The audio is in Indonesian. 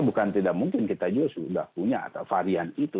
bukan tidak mungkin kita juga sudah punya varian itu